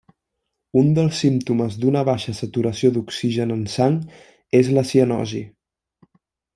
Un dels símptomes d'una baixa saturació d'oxigen en sang és la cianosi.